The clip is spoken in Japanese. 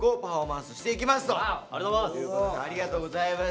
ありがとうございます。